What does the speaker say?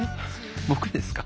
僕ですか？